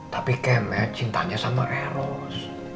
tapi keme cintanya sama eros